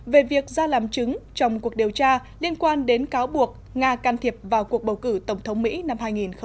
về việc ra làm chứng trong cuộc điều tra liên quan đến cáo buộc nga can thiệp vào cuộc bầu cử tổng thống mỹ năm hai nghìn một mươi sáu